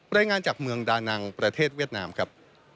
รายงานจากเมืองดานังประเทศเวียดนามครับ